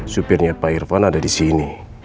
supirnya pak irfan ada di sini